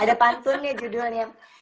ada pantun ya judulnya